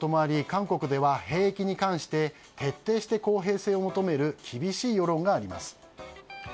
韓国では兵役に関して徹底して公平性を求める厳しい世論があります。